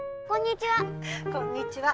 こんにちは。